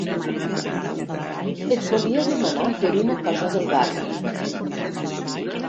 Et volia demanar per una cosa del barri.